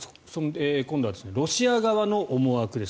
今度はロシア側の思惑です。